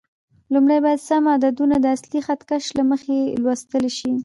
لومړی باید سم عددونه د اصلي خط کش له مخې لوستل شي.